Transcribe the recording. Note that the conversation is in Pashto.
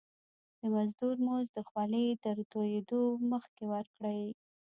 د مزدور مزد د خولي د تويدو مخکي ورکړی.